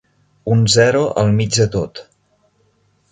Un zero al mig de tot.